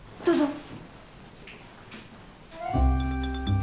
どうぞ。